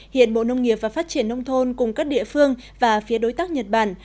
hiện bộ nông nghiệp và phát triển nông thôn cùng các địa phương và phía đối tác nhật bản